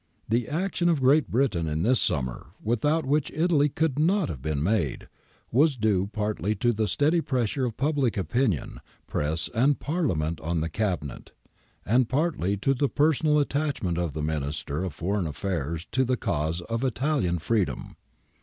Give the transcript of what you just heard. The action of Great Britain in this summer, without which Ital}' could not have been made, was due partly to the steady pressure of public opinion, press, and Parliament on the Cabinet,^ and partly to the personal attachment of the Minister for Foreign Affairs to the cause of Italian freedom.